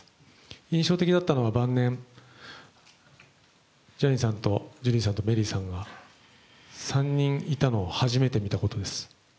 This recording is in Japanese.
印象的だったのは晩年、ジャニーさんとジュリーさんとメリーさんが３人いたのを初めて見たことです。